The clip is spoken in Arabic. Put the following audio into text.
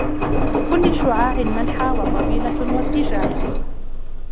لكل شعاع منحى وطويلة و إتجاه